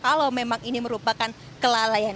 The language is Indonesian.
kalau memang ini merupakan kelalaian